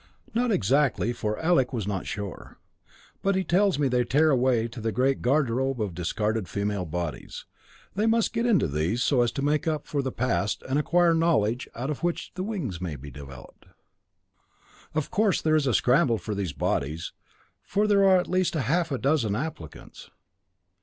"Not exactly, for Alec was not sure. But he tells me they tear away to the great garde robe of discarded female bodies. They must get into these, so as to make up for the past, and acquire knowledge, out of which wings may be developed. Of course there is a scramble for these bodies, for there are at least half a dozen applicants.